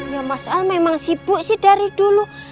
ya mas al memang sibuk sih dari dulu